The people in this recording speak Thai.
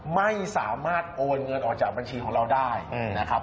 ไม่สามารถโอนเงินออกจากบัญชีของเราได้นะครับ